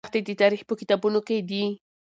دښتې د تاریخ په کتابونو کې دي.